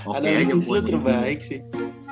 karena yudi itu terbaik sih